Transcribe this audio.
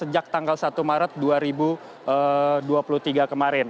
sejak tanggal satu maret dua ribu dua puluh tiga kemarin